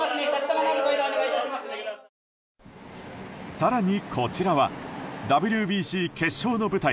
更に、こちらはＷＢＣ決勝の舞台